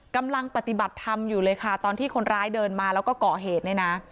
กำลังปฏิบัติธรรมอยู่เลยค่ะตอนที่คนร้ายเดินมาแล้วก็ก่อเหตุเนี่ยนะ